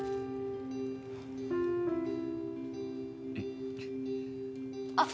えっあっ！